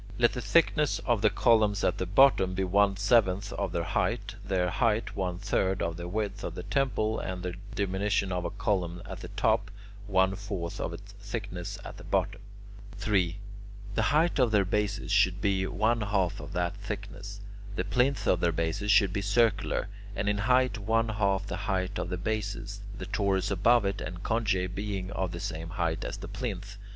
Let the thickness of the columns at the bottom be one seventh of their height, their height one third of the width of the temple, and the diminution of a column at the top, one fourth of its thickness at the bottom. [Illustration: THE TUSCAN TEMPLE ACCORDING TO VITRUVIUS.] 3. The height of their bases should be one half of that thickness. The plinth of their bases should be circular, and in height one half the height of the bases, the torus above it and conge being of the same height as the plinth.